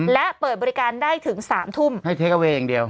และเปิดบริการได้ถึง๓ทุ่มให้เทคกับเวย์อย่างเดียว